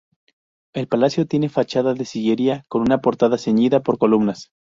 El palacio tiene fachada de sillería, con una portada ceñida por columnas.